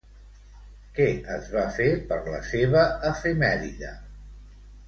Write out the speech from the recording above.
Què es va fer per la seva efemèride?